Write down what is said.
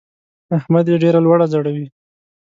احمد يې ډېره لوړه ځړوي.